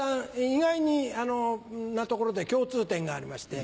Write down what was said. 意外なところで共通点がありまして。